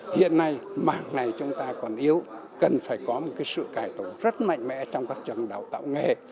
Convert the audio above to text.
hiện nay mảng này chúng ta còn yếu cần phải có một sự cải tổ rất mạnh mẽ trong các trường đào tạo nghề